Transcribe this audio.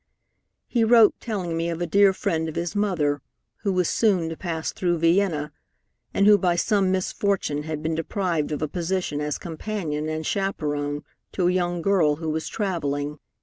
"He wrote telling me of a dear friend of his mother, who was soon to pass through Vienna, and who by some misfortune had been deprived of a position as companion and chaperon to a young girl who was travelling.